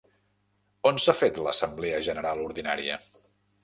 On s'ha fet l'assemblea general ordinària?